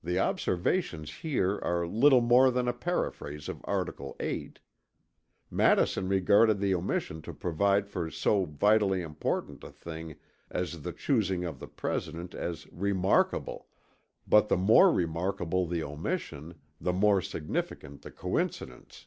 The Observations here are little more than a paraphrase of article VIII. Madison regarded the omission to provide for so vitally important a thing as the choosing of the President as "remarkable"; but the more remarkable the omission, the more significant the coincidence.